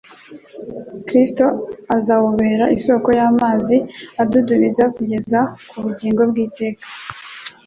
Kristo azawubera isoko y'amazi adudubiza kugeza ku bugingo bw'iteka.